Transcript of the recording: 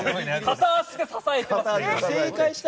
片足で支えてました。